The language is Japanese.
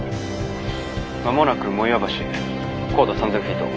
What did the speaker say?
間もなく茂岩橋高度３，０００フィート。